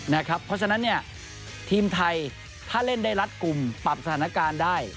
เพราะฉะนั้นทีมไทยถ้าเล่นได้รัดกลุ่มปรับสถานการณ์ได้